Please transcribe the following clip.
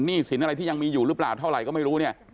สินอะไรที่ยังมีอยู่หรือเปล่าเท่าไหร่ก็ไม่รู้เนี่ย